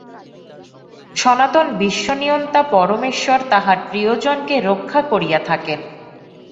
সনাতন বিশ্বনিয়ন্তা পরমেশ্বর তাঁহার প্রিয়জনকে রক্ষা করিয়া থাকেন।